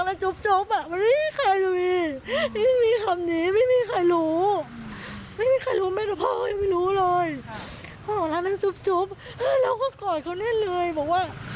แล้วก็กอดเขาเนี่ยเลยบอกว่า